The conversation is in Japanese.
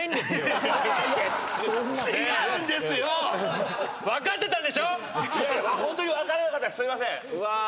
すいません。